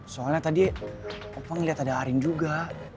soalnya tadi ngeliat ada arin juga